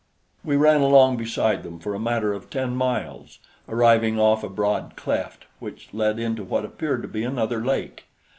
We ran along beside them for a matter of ten miles, arriving off a broad cleft which led into what appeared to be another lake.